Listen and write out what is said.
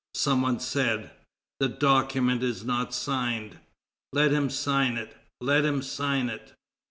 Some one said: "The document is not signed. Let him sign it! Let him sign it!"